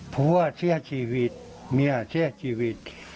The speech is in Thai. ผู้เชื่อชีวิตเมียเชื่อชีวิต